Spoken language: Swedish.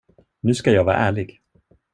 Nu ska jag vara ärlig.